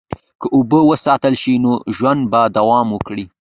که اوبه وساتل شي، نو ژوند به دوام وکړي.